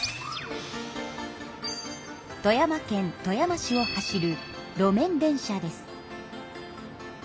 富山県富山市を走る路面電車です。